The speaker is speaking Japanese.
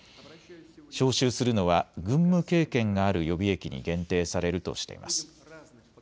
招集するのは軍務経験がある予備役に限定されるとしています。